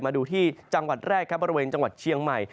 มาดูที่จังหวัดแรกครับบริเวณจังหวัดเชียงใหม่